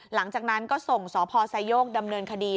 หลังจากนั้นก็ส่งสพไซโยกดำเนินคดี